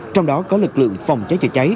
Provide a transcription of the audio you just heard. trong đó có lực lượng phòng cháy chữa cháy